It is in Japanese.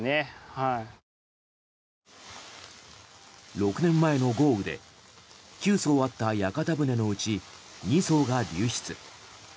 ６年前の豪雨で９艘あった屋形船のうち２艘が流失。